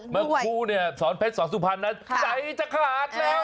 เมื่อคุณสอนเพชรสอนสุพรรณใจจะขาดแล้ว